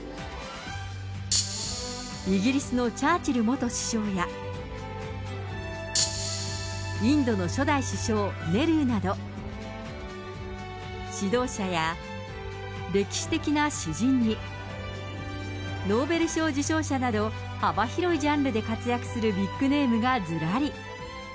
イギリスのチャーチル元首相や、インドの初代首相、ネルーなど、指導者や歴史的な詩人に、ノーベル賞受賞者など、幅広いジャンルで活躍するビッグネームがずらり。